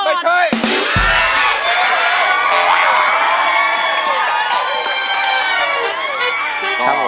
ไม่ใช่